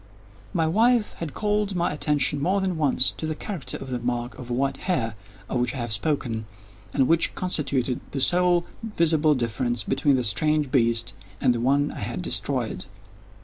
My wife had called my attention, more than once, to the character of the mark of white hair, of which I have spoken, and which constituted the sole visible difference between the strange beast and the one I had destroyed.